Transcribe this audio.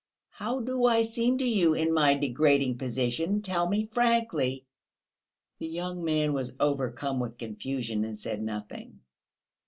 How do I seem to you in my degrading position? Tell me frankly." The young man was overcome with confusion, and said nothing.